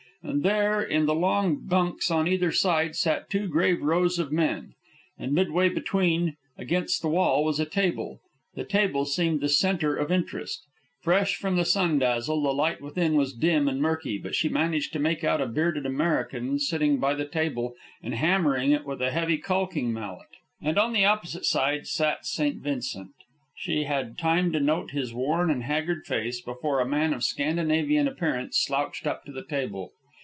And there, in the long bunks on either side, sat two grave rows of men. And midway between, against the wall, was a table. This table seemed the centre of interest. Fresh from the sun dazzle, the light within was dim and murky, but she managed to make out a bearded American sitting by the table and hammering it with a heavy caulking mallet. And on the opposite side sat St. Vincent. She had time to note his worn and haggard face, before a man of Scandinavian appearance slouched up to the table.